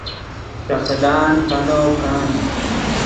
ݰے خدان پینو کن